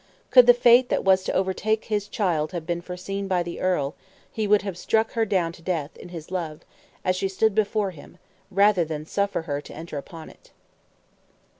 Could the fate that was to overtake his child have been foreseen by the earl, he would have struck her down to death, in his love, as she stood before him, rather than suffer her to enter upon it.